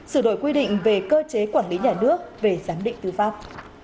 sửa đổi quy định về cơ chế quản lý nhà nước về giám định tư pháp